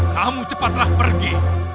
kamu cepatlah pergi